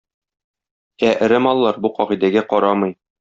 Ә эре маллар бу кагыйдәгә карамый.